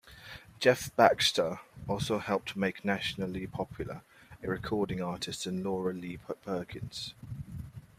Jeff Baxter also helped make nationally popular a recording artist in Laura Lee Perkins.